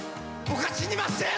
僕は死にません！」